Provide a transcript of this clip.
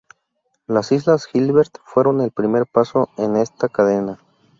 Las Islas Gilbert fueron el primer paso en esta cadena.